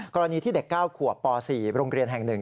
กรณีที่เด็ก๙ขวบป๔โรงเรียนแห่ง๑